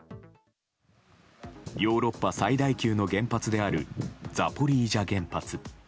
ヨーロッパ最大級の原発であるザポリージャ原発。